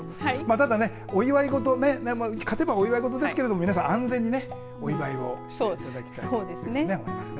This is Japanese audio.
ただね、お祝い事勝てばお祝い事ですけど皆さん、安全にお祝いをしていただきたいですね。